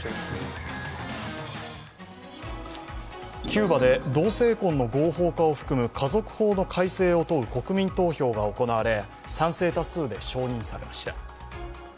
キューバで同性婚の合法化を含む家族法の改正を問う国民投票が行われ、賛成多数で承認されました。